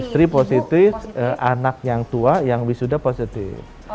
sri positif anak yang tua yang wisuda positif